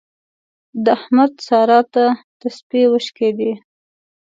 د احمد سارا ته تسپې وشکېدې.